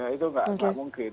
itu tidak mungkin